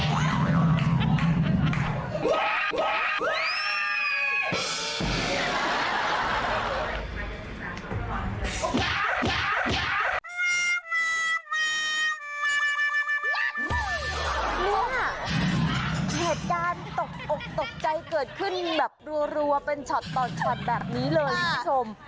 เนี่ยเหตุการณ์ตกอกตกใจเกิดขึ้นแบบรัวเป็นช็อตต่อช็อตแบบนี้เลยคุณผู้ชม